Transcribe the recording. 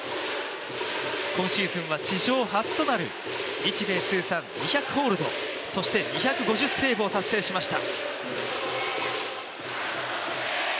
今シーズンは史上初となる日米通算２００ホールド、そして２５０セーブを達成しました。